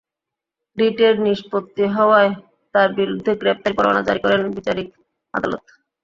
রিটের নিষ্পত্তি হওয়ায় তাঁর বিরুদ্ধে গ্রেপ্তারি পরোয়ানা জারি করেন বিচারিক আদালত।